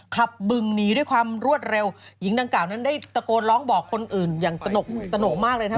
บึงหนีด้วยความรวดเร็วหญิงดังกล่าวนั้นได้ตะโกนร้องบอกคนอื่นอย่างตนกตนกมากเลยนะครับ